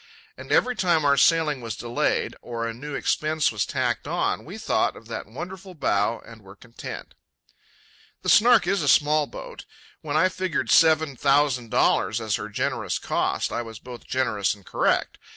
And every time our sailing was delayed, or a new expense was tacked on, we thought of that wonderful bow and were content. The Snark is a small boat. When I figured seven thousand dollars as her generous cost, I was both generous and correct.